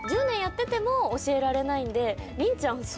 １０年やってても教えられないんで凛ちゃん